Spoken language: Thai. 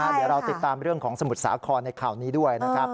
เดี๋ยวเราติดตามเรื่องของสมุทรสาครในข่าวนี้ด้วยนะครับ